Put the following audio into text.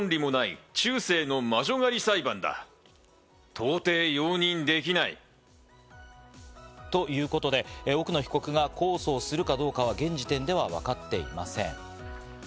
そして。ということで奥野被告が控訴するかどうかは現時点ではわかっていません。